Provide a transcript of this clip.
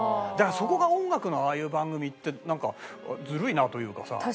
だからそこが音楽のああいう番組ってなんかずるいなというかさ。